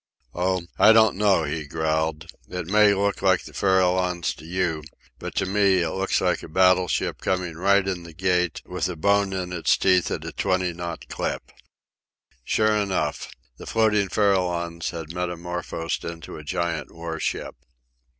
"Oh, I don't know," he growled. "It may look like the Farallones to you, but to me it looks like a battleship coming right in the Gate with a bone in its teeth at a twenty knot clip." Sure enough. The floating Farallones had metamorphosed into a giant warship.